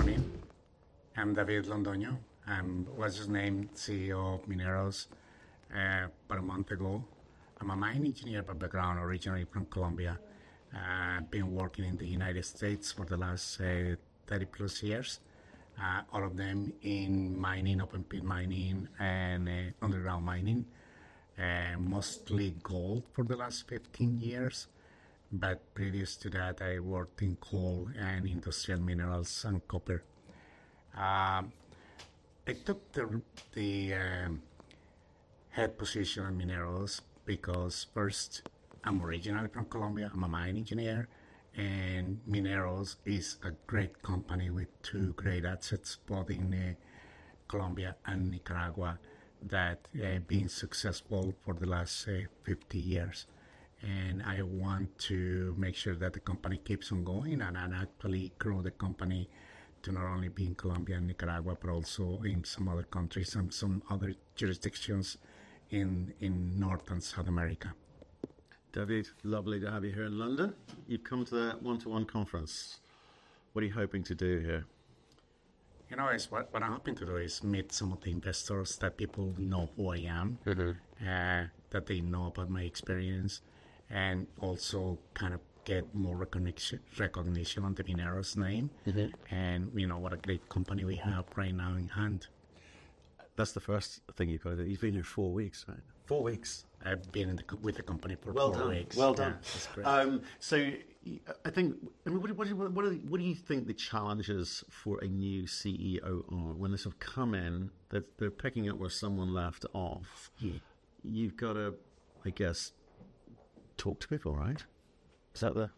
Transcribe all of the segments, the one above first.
Good morning. I'm David Londono and was named CEO of Mineros S.A. a month ago. I'm a mining engineer by background, originally from Colombia. I've been working in the United States for the last 30 plus years, all of them in mining, open pit mining, and underground mining, mostly gold for the last 15 years. But previous to that, I worked in coal and industrial minerals and copper. I took the head position on Mineros because, first, I'm originally from Colombia. I'm a mining engineer, and Mineros is a great company with two great assets both in Colombia and Nicaragua that have been successful for the last 50 years. And I want to make sure that the company keeps on going and actually grow the company to not only be in Colombia and Nicaragua but also in some other countries and some other jurisdictions in North and South America. David, lovely to have you here in London. You've come to the one-to-one conference. What are you hoping to do here? What I'm hoping to do is meet some of the investors that people know who I am, that they know about my experience, and also kind of get more recognition on the Mineros name. And what a great company we have right now in hand. That's the first thing you've got to do. You've been here four weeks, right? Four weeks. I've been with the company for four weeks. Well done. Well done. That's great. So I think, what do you think the challenges for a new CEO are? When they sort of come in, they're picking up where someone left off. You've got to, I guess, talk to people, right? Is that the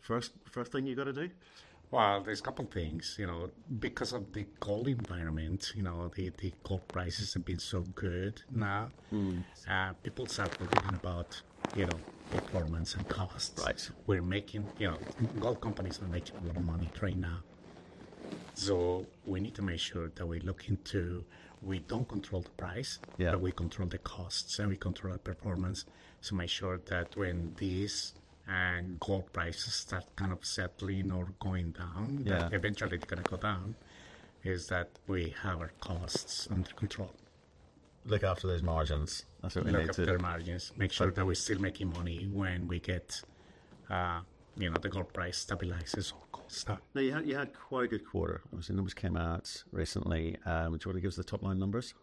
first thing you've got to do? There's a couple of things. Because of the gold environment, the gold prices have been so good now. People start forgetting about performance and costs. Gold companies are making a lot of money right now. So we need to make sure that we look into we don't control the price, but we control the costs and we control the performance. So make sure that when these gold prices start kind of settling or going down, eventually it's going to go down, is that we have our costs under control. Look after those margins. Look after the margins. Make sure that we're still making money when the gold price stabilizes or costs down. You had quite a good quarter. I was saying numbers came out recently. Do you want to give us the top-line numbers?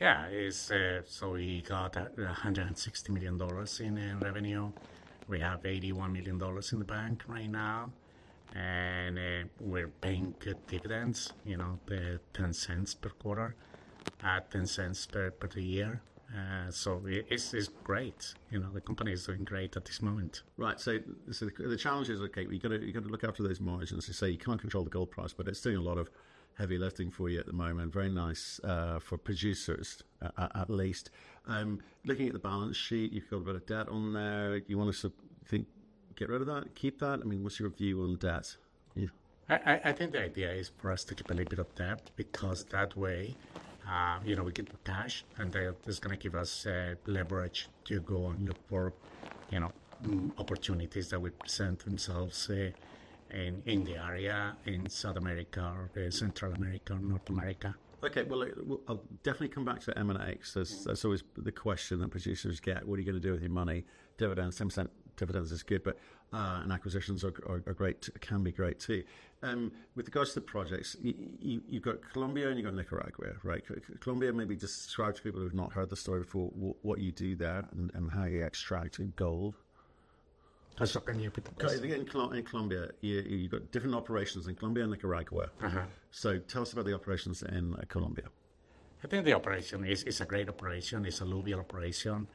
Yeah. So we got $160 million in revenue. We have $81 million in the bank right now. And we're paying good dividends, the $0.10 per quarter, $0.10 per year. So it's great. The company is doing great at this moment. Right. So the challenge is, okay, you've got to look after those margins. You say you can't control the gold price, but it's doing a lot of heavy lifting for you at the moment. Very nice for producers, at least. Looking at the balance sheet, you've got a bit of debt on there. You want to sort of get rid of that, keep that? I mean, what's your view on debt? I think the idea is for us to keep a little bit of debt because that way we get the cash, and that's going to give us leverage to go and look for opportunities that will present themselves in the area, in South America, Central America, North America. Okay. Well, I'll definitely come back to M&A because that's always the question that producers get. What are you going to do with your money? Dividends, 10% dividends is good, but acquisitions can be great too. With regards to the projects, you've got Colombia and you've got Nicaragua, right? Colombia, maybe just describe to people who've not heard the story before, what you do there and how you extract gold. I'm sorry, can you repeat that? In Colombia, you've got different operations in Colombia and Nicaragua. So tell us about the operations in Colombia. I think the operation is a great operation. It's a low-year operation.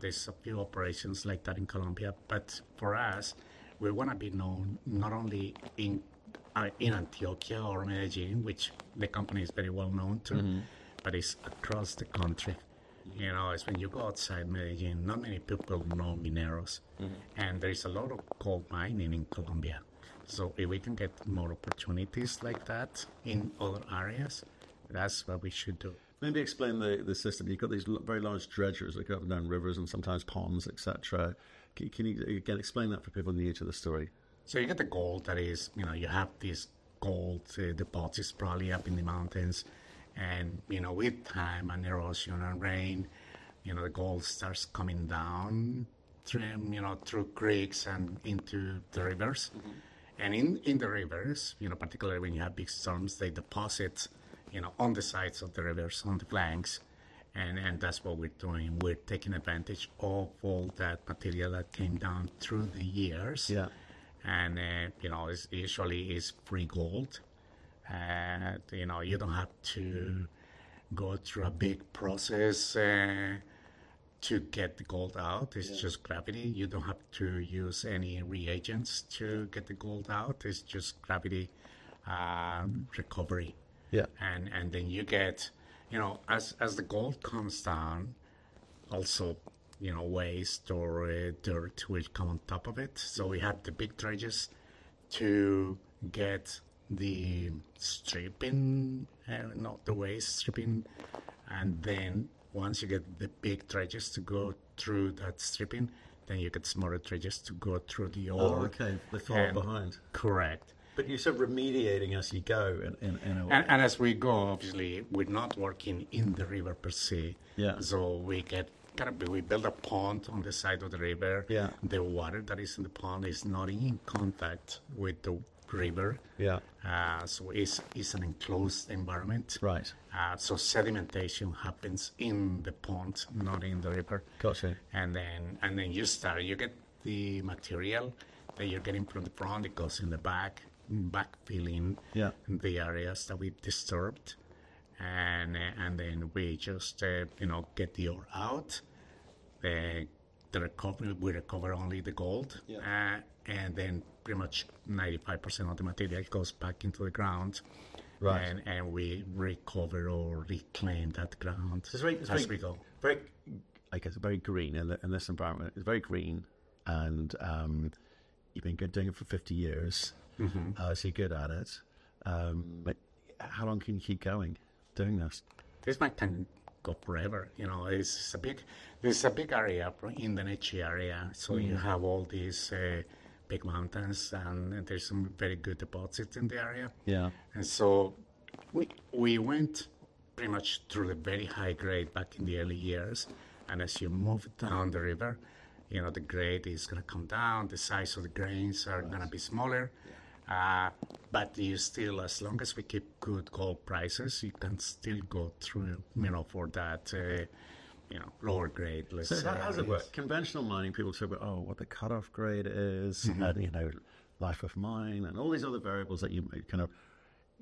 There's a few operations like that in Colombia, but for us, we want to be known not only in Antioquia or Medellín, which the company is very well known to, but it's across the country. When you go outside Medellín, not many people know Mineros, and there is a lot of gold mining in Colombia, so if we can get more opportunities like that in other areas, that's what we should do. Maybe explain the system. You've got these very large dredgers that go down rivers and sometimes ponds, etc. Can you explain that for people new to the story? You get the gold, that is, you have these gold deposits probably up in the mountains. And with time, Mineros S.A., rain, the gold starts coming down through creeks and into the rivers. And in the rivers, particularly when you have big storms, they deposit on the sides of the rivers, on the flanks. And that's what we're doing. We're taking advantage of all that material that came down through the years. And usually, it's free gold. You don't have to go through a big process to get the gold out. It's just gravity. You don't have to use any reagents to get the gold out. It's just gravity recovery. And then you get, as the gold comes down, also waste, or dirt will come on top of it. So we have the big dredges to get the stripping, not the waste stripping. And then once you get the big dredges to go through that stripping, then you get smaller dredges to go through the old. Oh, okay. The fall behind. Correct. But you're sort of remediating as you go. As we go, obviously, we're not working in the river per se. We build a pond on the side of the river. The water that is in the pond is not in contact with the river. It's an enclosed environment. Sedimentation happens in the pond, not in the river. Then you start, you get the material that you're getting from the pond, it goes in the back, backfilling the areas that we've disturbed. Then we just get the ore out. We recover only the gold. Then pretty much 95% of the material goes back into the ground. We recover or reclaim that ground as we go. It's very green. In this environment, it's very green. And you've been doing it for 50 years. So you're good at it. How long can you keep going doing this? This might take forever. It's a big area in the Nechí area. So you have all these big mountains, and there's some very good deposits in the area. And so we went pretty much through the very high grade back in the early years. And as you move down the river, the grade is going to come down. The size of the grains are going to be smaller. But still, as long as we keep good gold prices, you can still go through for that lower grade. So how does conventional mining people say, "Oh, what the cut-off grade is, life of mine," and all these other variables that kind of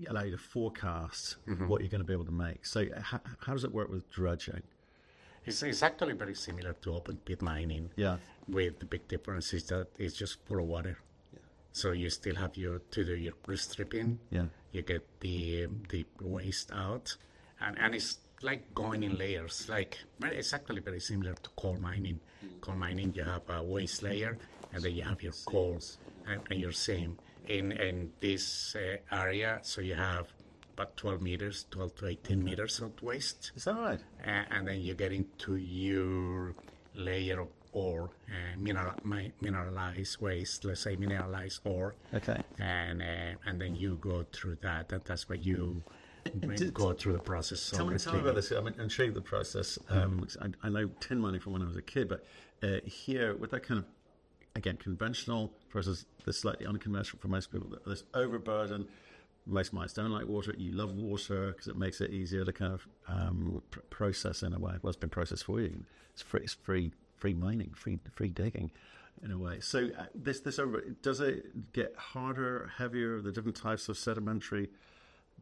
allow you to forecast what you're going to be able to make. So how does it work with dredging? It's actually very similar to open pit mining. With the big difference is that it's just full of water. So you still have to do your stripping. You get the waste out. And it's like going in layers. It's actually very similar to coal mining. Coal mining, you have a waste layer, and then you have your coals. And you're saying in this area, so you have about 12 meters, 12-18 meters of waste. Is that right? And then you get into your layer of ore, mineralized waste, let's say mineralized ore. And then you go through that. And that's where you go through the process. Tell me about this. I'm intrigued the process. I know tin mining from when I was a kid, but here, with that kind of, again, conventional versus the slightly unconventional for most people, there's overburden. Most mines don't like water. You love water because it makes it easier to kind of process in a way. Well, it's been processed for you. It's free mining, free digging in a way. So does it get harder, heavier, the different types of sedimentary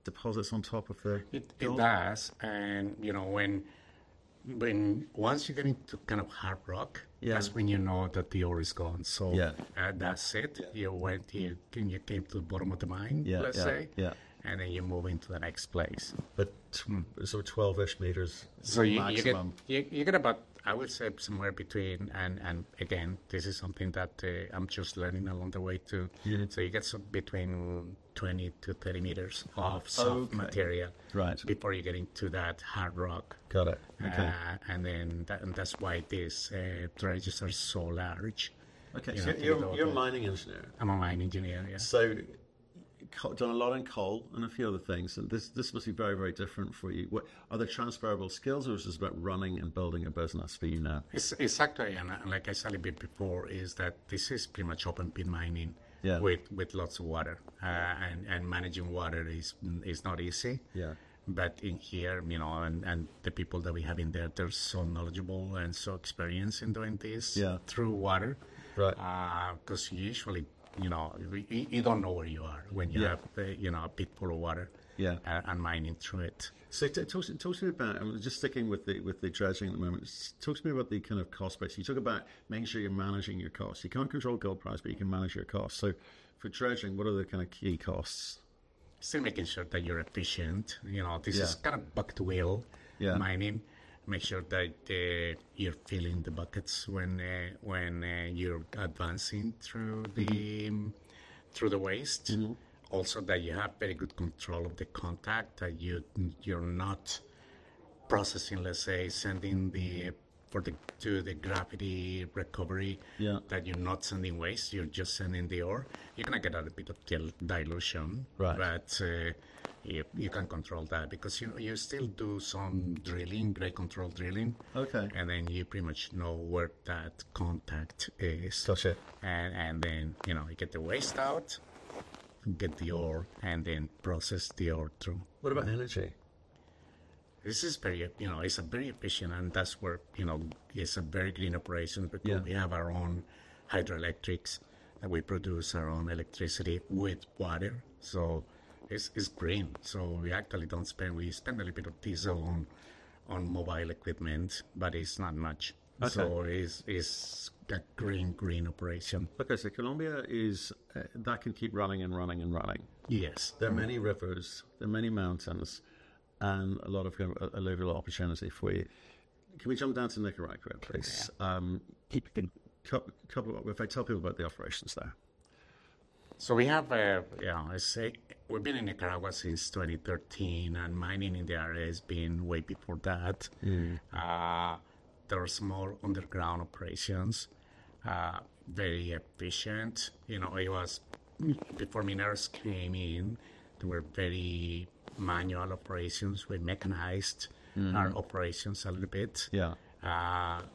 deposits on top of the gold? It does. And once you get into kind of hard rock, that's when you know that the ore is gone. So that's it. You came to the bottom of the mine, let's say, and then you move into the next place. 12-ish meters minus one. You get about, I would say, somewhere between. And again, this is something that I'm just learning along the way too. So you get between 20-30 meters of soft material before you get into that hard rock. Got it. Okay. And then that's why these dredges are so large. Okay, so you're a mining engineer. I'm a mining engineer, yeah. So you've done a lot in coal and a few other things. And this must be very, very different for you. Are there transferable skills or is this about running and building a business for you now? Exactly. And like I said a bit before, is that this is pretty much open pit mining with lots of water. And managing water is not easy. But in here, and the people that we have in there, they're so knowledgeable and so experienced in doing this through water. Because usually, you don't know where you are when you have a pit full of water and mining through it. So talk to me about, just sticking with the dredging at the moment, talk to me about the kind of cost space. You talk about making sure you're managing your costs. You can't control gold price, but you can manage your costs. So for dredging, what are the kind of key costs? Making sure that you're efficient. This is kind of bucket-wheel mining. Make sure that you're filling the buckets when you're advancing through the waste. Also, that you have very good control of the contact, that you're not processing, let's say, sending the gravity recovery, that you're not sending waste, you're just sending the ore. You're going to get a little bit of dilution, but you can control that because you still do some drilling, grade control drilling, and then you pretty much know where that contact is, then you get the waste out, get the ore, and then process the ore through. What about energy? This is very efficient, and that's where it's a very green operation because we have our own hydroelectrics. We produce our own electricity with water. So it's green. So we actually don't spend. We spend a little bit of diesel on mobile equipment, but it's not much. So it's a green, green operation. Okay, so Colombia is that can keep running and running and running. Yes. There are many rivers, there are many mountains, and a lot of level opportunity for you. Can we jump down to Nicaragua, please? Yes. If I tell people about the operations there. So we have, yeah. I say we've been in Nicaragua since 2013, and mining in the area has been way before that. There are small underground operations, very efficient. It was before miners came in, there were very manual operations. We mechanized our operations a little bit.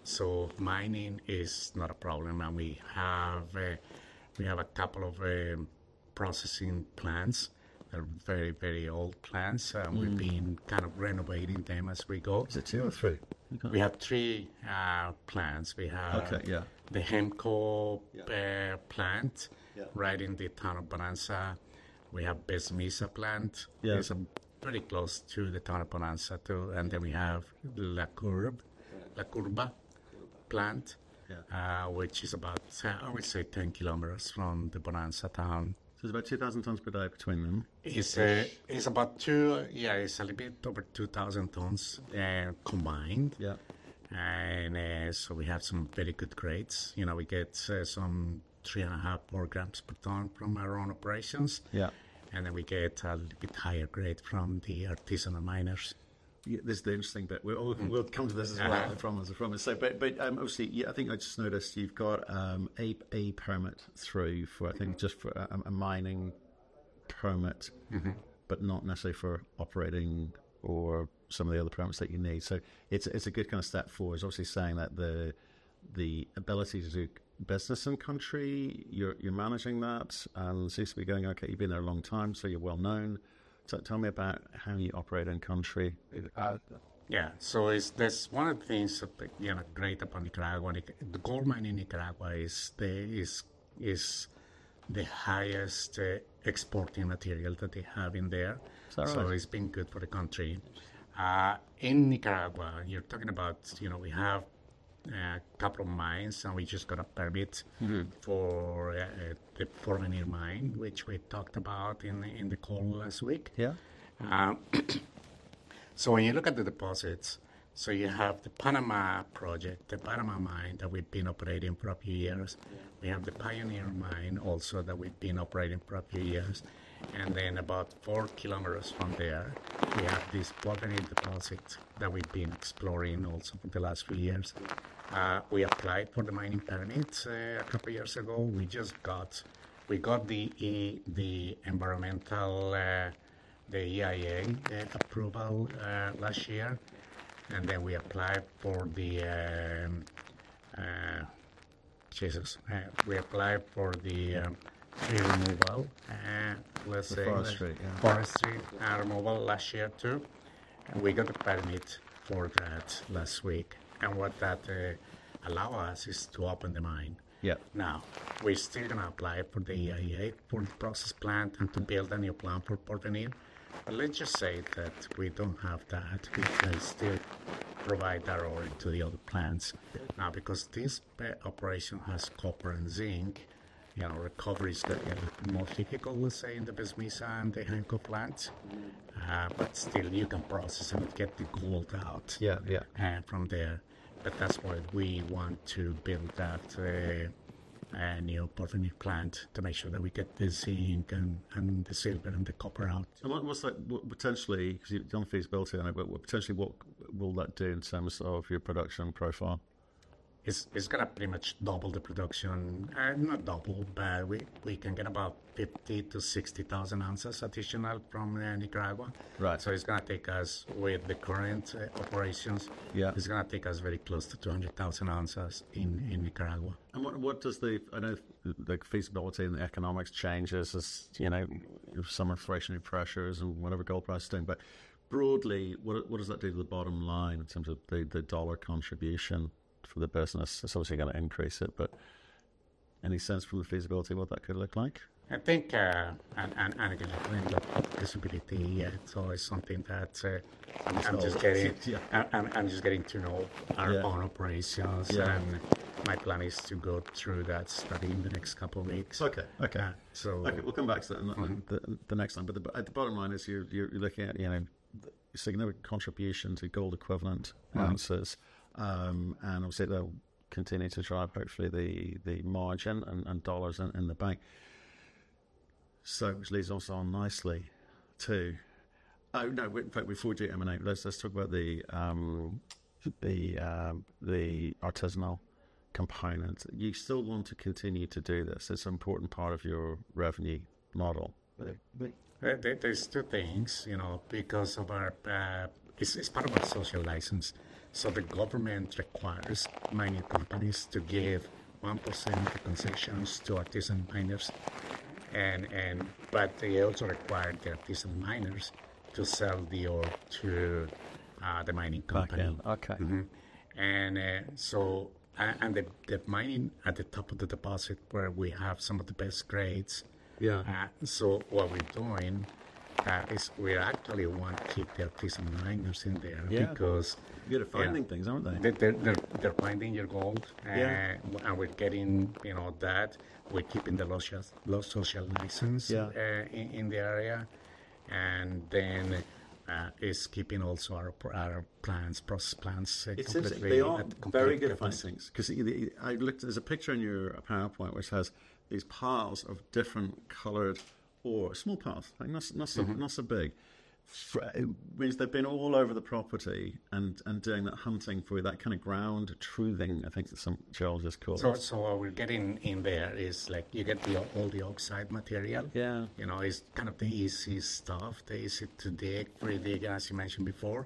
So mining is not a problem. And we have a couple of processing plants. They're very, very old plants, and we've been kind of renovating them as we go. Is it two or three? We have three plants. We have the Hemco plant right in the town of Bonanza. We have Vesmiza plant. It's pretty close to the town of Bonanza too. And then we have La Curva plant, which is about, I would say, 10 kilometers from the Bonanza town. It's about 2,000 tons per day between them. It's about, yeah, it's a little bit over 2,000 tons combined, and so we have some very good grades. We get some three and a half more grams per ton from our own operations, and then we get a little bit higher grade from the artisanal miners. This is the interesting bit. We'll come to this as well. I promise. I promise. But obviously, I think I just noticed you've got a permit through for, I think, just for a mining permit, but not necessarily for operating or some of the other permits that you need. So it's a good kind of step forward. It's obviously saying that the ability to do business in country, you're managing that. And it seems to be going, okay, you've been there a long time, so you're well known. So tell me about how you operate in country. Yeah, so that's one of the things that great about Nicaragua. The gold mining in Nicaragua is the highest exporting material that they have in there, so it's been good for the country. In Nicaragua, you're talking about we have a couple of mines, and we just got a permit for the Porvenir mine, which we talked about in the call last week, so when you look at the deposits, you have the Panamá project, the Panamá Mine that we've been operating for a few years. We have the Pioneer Mine also that we've been operating for a few years, and then about four kilometers from there, we have this Porvenir deposit that we've been exploring also for the last few years. We applied for the mining permits a couple of years ago. We just got the environmental, the EIA approval last year. And then, Jesus, we applied for the removal, let's say. The forestry. Forestry removal last year too. And we got a permit for that last week. And what that allowed us is to open the mine. Now, we're still going to apply for the EIA for the process plant and to build a new plant for Porvenir. But let's just say that we don't have that. We still provide our ore to the other plants. Now, because this operation has copper and zinc, recovery is more difficult, we'll say, in the Vesmisa and the Hemco plants. But still, you can process and get the gold out from there. But that's why we want to build that new Porvenir plant to make sure that we get the zinc and the silver and the copper out. And potentially, because you've done a feasibility on it, but potentially, what will that do in terms of your production profile? It's going to pretty much double the production. Not double, but we can get about 50,000 to 60,000 ounces additional from Nicaragua. So it's going to take us with the current operations, it's going to take us very close to 200,000 ounces in Nicaragua. And what does the, I know, feasibility and the economics changes as some inflationary pressures and whatever gold price thing? But broadly, what does that do to the bottom line in terms of the dollar contribution for the business? It's obviously going to increase it, but any sense from the feasibility of what that could look like? I think, and again, I'm going to Medellín, it's always something that I'm just getting to know our own operations. And my plan is to go through that study in the next couple of weeks. Okay. We'll come back to that in the next line, but the bottom line is you're looking at a significant contribution to gold equivalent ounces, and obviously, they'll continue to drive hopefully the margin and dollars in the bank, so which leads us on nicely too. Oh, no, in fact, before we do M&A, let's talk about the artisanal component. You still want to continue to do this. It's an important part of your revenue model. There's two things. It's part of our social license. So the government requires mining companies to give 1% of concessions to artisanal miners. But they also require the artisanal miners to sell the ore to the mining company. And so the mining at the top of the deposit where we have some of the best grades. So what we're doing is we actually want to keep the artisanal miners in there because. Yeah. They're finding things, aren't they? They're finding your gold, and we're getting that. We're keeping the local social license in the area, and then it's keeping also our processing plants. It's interesting. They are very good findings. Because I looked, there's a picture in your PowerPoint which has these piles of different colored ore, small piles, not so big. It means they've been all over the property and doing that hunting for that kind of ground truthing, I think Gerald just called. So what we're getting in there is like you get all the oxide material. It's kind of the easy stuff, the easy to dig, pretty digging, as you mentioned before.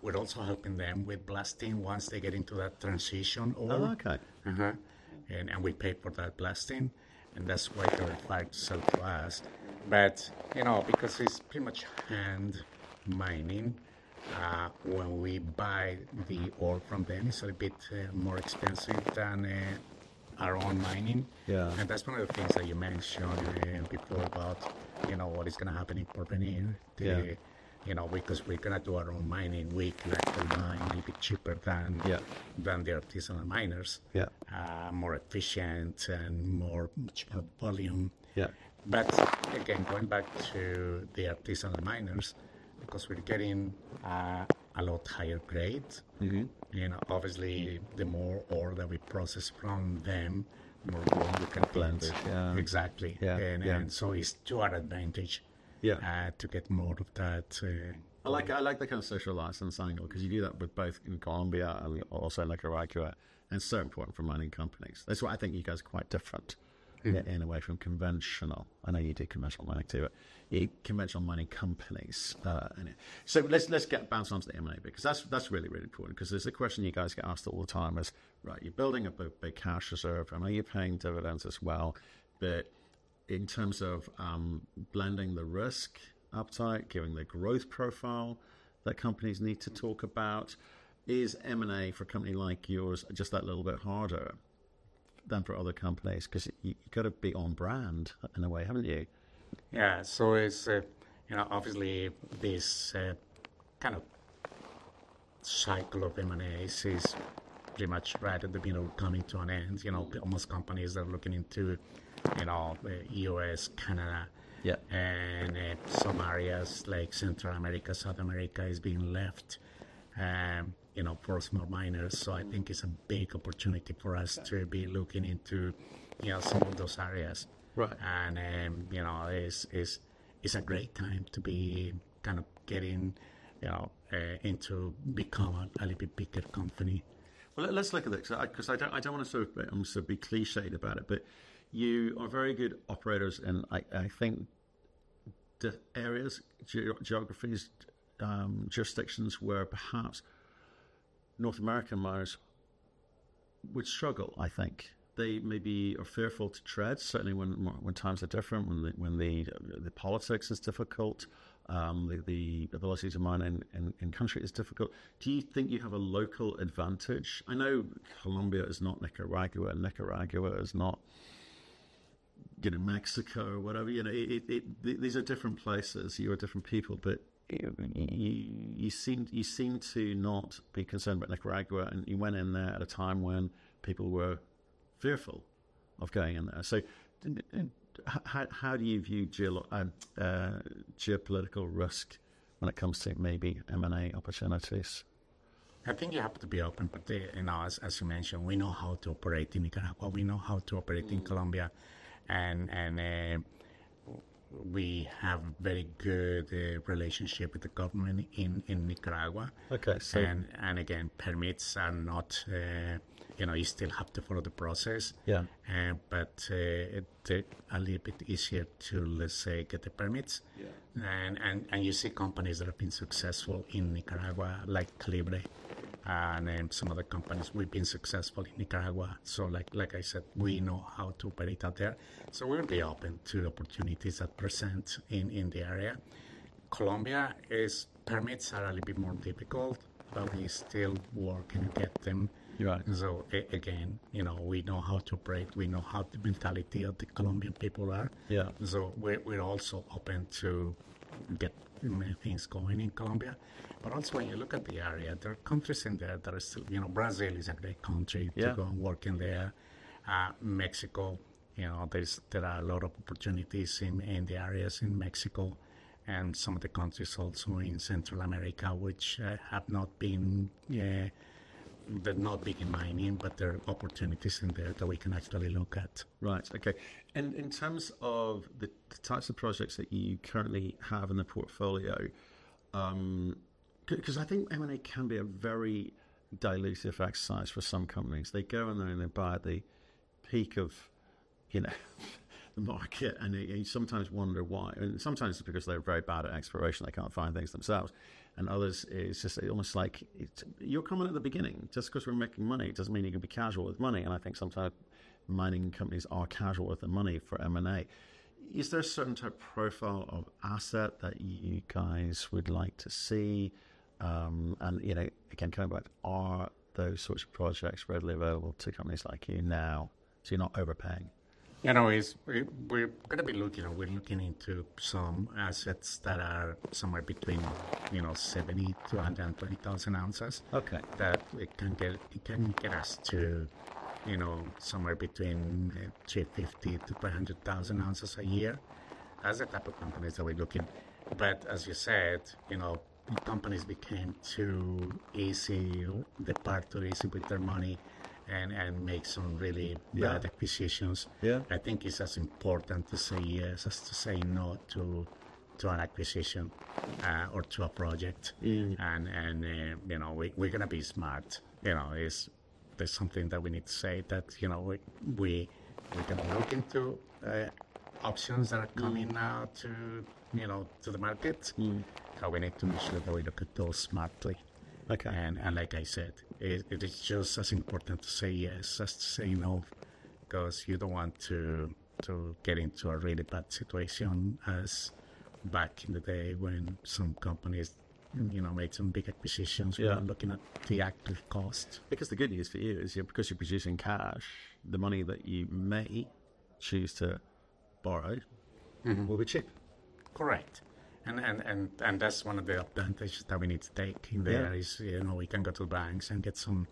We're also helping them with blasting once they get into that transition ore. And we pay for that blasting. And that's why they're trying to sell to us. But because it's pretty much hand mining, when we buy the ore from them, it's a little bit more expensive than our own mining. And that's one of the things that you mentioned before about what is going to happen in Porvenir. Because we're going to do our own mining, we'd like to mine a little bit cheaper than the artisanal miners, more efficient and more volume. But again, going back to the artisanal miners, because we're getting a lot higher grade. And obviously, the more ore that we process from them, the more gold we can plant. Exactly. And so it's to our advantage to get more of that. I like that kind of social licensing because you do that with both in Colombia and also in Nicaragua, and it's so important for mining companies. That's why I think you guys are quite different in a way from conventional. I know you do conventional mining too, but conventional mining companies, so let's bounce on to the M&A because that's really, really important. Because there's a question you guys get asked all the time is, right, you're building a big cash reserve, and you're paying dividends as well, but in terms of blending the risk appetite, giving the growth profile that companies need to talk about, is M&A for a company like yours just that little bit harder than for other companies? Because you've got to be on brand in a way, haven't you? Yeah, so obviously, this kind of cycle of M&As is pretty much right at the coming to an end. Most companies that are looking into the U.S., Canada, and some areas like Central America, South America is being left for small miners, so I think it's a big opportunity for us to be looking into some of those areas, and it's a great time to be kind of getting into become a little bit bigger company. Let's look at that. Because I don't want to sort of be clichéd about it, but you are very good operators. I think the areas, geographies, jurisdictions where perhaps North American miners would struggle, I think they maybe are fearful to tread, certainly when times are different, when the politics is difficult, the ability to mine in country is difficult. Do you think you have a local advantage? I know Colombia is not Nicaragua, and Nicaragua is not Mexico or whatever. These are different places. You are different people, but you seem to not be concerned about Nicaragua. You went in there at a time when people were fearful of going in there. How do you view geopolitical risk when it comes to maybe M&A opportunities? I think you have to be open, but as you mentioned, we know how to operate in Nicaragua. We know how to operate in Colombia and we have a very good relationship with the government in Nicaragua. Again, permits are not, you still have to follow the process, but it's a little bit easier to, let's say, get the permits, and you see companies that have been successful in Nicaragua, like Calibre, and some other companies we've been successful in Nicaragua. Like I said, we know how to operate out there, so we're very open to opportunities that present in the area. Colombia's permits are a little bit more difficult, but we still work and get them, so again, we know how to operate. We know how the mentality of the Colombian people are, so we're also open to get things going in Colombia. But also, when you look at the area, there are countries in there that are still. Brazil is a great country to go and work in there. Mexico, there are a lot of opportunities in the areas in Mexico. And some of the countries also in Central America, which have not been. They're not big in mining, but there are opportunities in there that we can actually look at. Right. Okay. And in terms of the types of projects that you currently have in the portfolio, because I think M&A can be a very dilutive exercise for some companies. They go in there and they buy the peak of the market, and you sometimes wonder why. And sometimes it's because they're very bad at exploration. They can't find things themselves. And others, it's just almost like you're coming at the beginning. Just because we're making money, it doesn't mean you can be casual with money. And I think sometimes mining companies are casual with the money for M&A. Is there a certain type of profile of asset that you guys would like to see? And again, kind of like, are those sorts of projects readily available to companies like you now? So you're not overpaying. You know, we're going to be looking, we're looking into some assets that are somewhere between 70,000-120,000 ounces that can get us to somewhere between 350,000-400,000 ounces a year. That's the type of companies that we're looking, but as you said, companies became too easy, they're far too easy with their money and make some really bad acquisitions. I think it's as important to say yes as to say no to an acquisition or to a project, and we're going to be smart. There's something that we need to say that we're going to be looking to options that are coming now to the market. We need to make sure that we look at those smartly. Like I said, it is just as important to say yes as to say no because you don't want to get into a really bad situation as back in the day when some companies made some big acquisitions. We're not looking at the active cost. Because the good news for you is because you're producing cash, the money that you may choose to borrow will be cheap. Correct, and that's one of the advantages that we need to take in there is we can go to the banks and get some.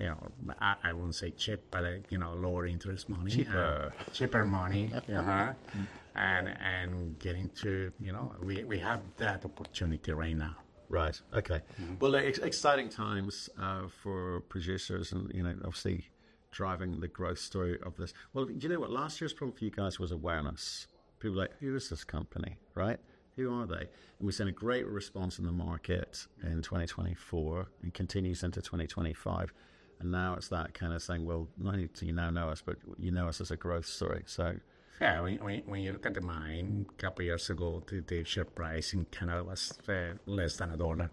I won't say cheap, but lower interest money. Cheaper money, and getting to, we have that opportunity right now. Right. Okay, well, exciting times for producers and obviously driving the growth story of this, well, do you know what last year's problem for you guys was? Awareness? People were like, who is this company? Right? Who are they, and we've seen a great response in the market in 2024 and continues into 2025, and now it's that kind of saying, well, not only do you now know us, but you know us as a growth story. So. Yeah. When you look at the mine, a couple of years ago, the share price in Canada was less than CAD 1.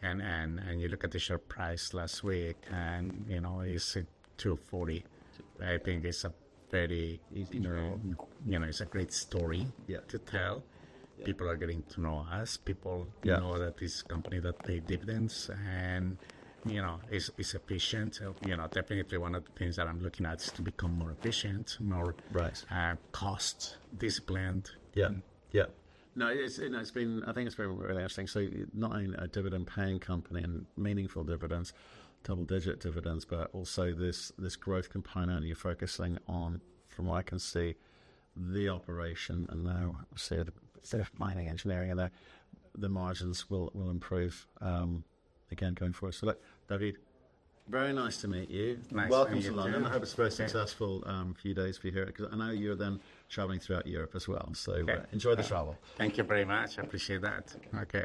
And you look at the share price last week, and it's 2.40. I think it's a great story to tell. People are getting to know us. People know that this company that paid dividends and is efficient. Definitely one of the things that I'm looking at is to become more efficient, more cost-disciplined. Yeah. Yeah. No, I think it's been really interesting. So not only a dividend-paying company and meaningful dividends, double-digit dividends, but also this growth component you're focusing on, from what I can see, the operation. And now, obviously, the mining engineering in there, the margins will improve again going forward. So David, very nice to meet you. Nice to meet you. Welcome to London. I hope it's a very successful few days for you here. Because I know you're then traveling throughout Europe as well. So enjoy the travel. Thank you very much. I appreciate that. Okay.